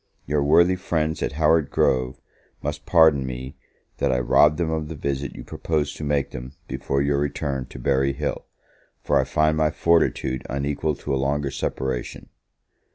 Your worthy friends at Howard Grove must pardon me that I rob them of the visit you proposed to make them before your return to Berry Hill, for I find my fortitude unequal to a longer separation.